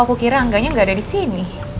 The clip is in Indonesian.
aku kira angga nya gak ada di sini